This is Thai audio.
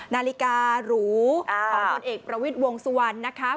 นาฬิการูของพลเอกประวิทย์วงสุวรรณนะคะ